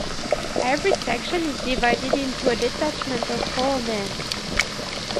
Every section is divided into a detachment of four men.